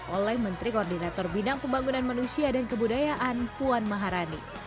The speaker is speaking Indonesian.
oleh menteri koordinator bidang pembangunan manusia dan kebudayaan puan maharani